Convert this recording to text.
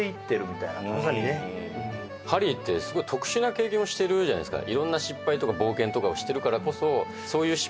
そんな中でまさにねハリーってすごい特殊な経験をしてるじゃないですか